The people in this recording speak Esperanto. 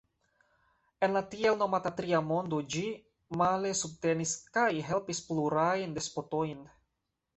En la tiel nomata tria mondo ĝi, male, subtenis kaj helpis plurajn despotojn.